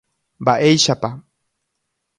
Mba'éichapa.